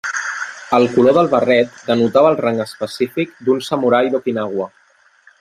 El color del barret denotava el rang específic d'un samurai d'Okinawa.